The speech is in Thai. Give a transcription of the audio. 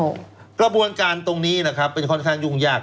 โอ้โหกระบวนการตรงนี้เป็นค่อนข้างยุ่งยาก